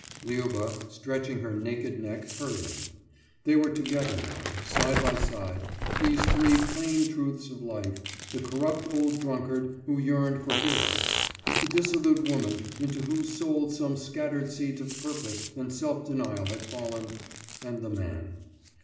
« Liuba, stretching her naked neck, heard him. They were together now, side by side, these three plain truths of life, the corrupt old drunkard who yearned for heroes, the dissolute woman into whose soul some scattered seeds of purpose and self denial had fallen and the man.